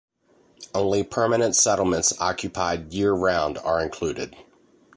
Only permanent settlements occupied year-round are included.